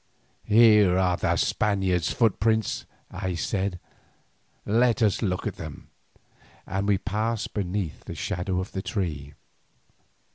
"Here are the Spaniard's footprints," I said. "Let us look at them," and we passed beneath the shadow of the tree.